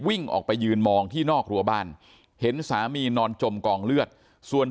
วิ่งออกไปยืนมองที่นอกรัวบ้านเห็นสามีนอนจมกองเลือดส่วน